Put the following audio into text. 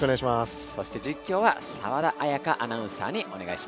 そして実況は澤田彩香アナウンサーにおねがいします。